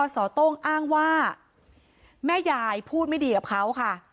สต้งอ้างว่าแม่ยายพูดไม่ดีกับเขาค่ะ